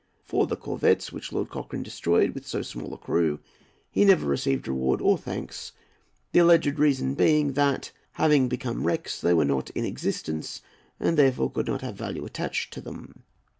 For the corvettes, which Lord Cochrane destroyed with so small a crew, he never received reward or thanks, the alleged reason being, that, having become wrecks, they were not in existence, and therefore could not have value attached to them.